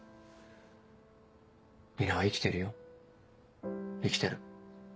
里奈は生きてるよ生きてる。